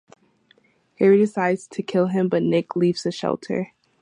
Harry decides to kill him, but Nick leaves the shelter.